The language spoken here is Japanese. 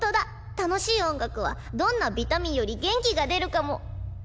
楽しい音楽はどんなビタミンより元気が出るかも。